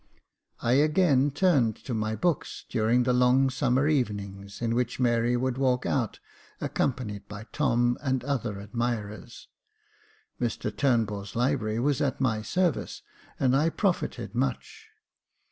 I again turned to my books during the long summer evenings, in which Mary would walk out, accompanied by Tom, and other admirers ; Mr Turnbull's library was at my service, and I profited much.